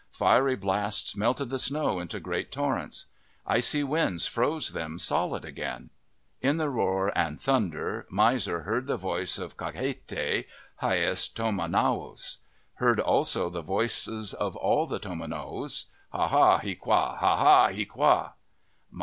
Fiery blasts melted the snow into great torrents. Icy winds froze them solid again. In the roar and thunder, Miser heard the voice of Kakahete, hyas tomanowos. Heard also the voices of all the tomanowos, " Ha, ha, hiaqua ! Ha, ha, hiaqua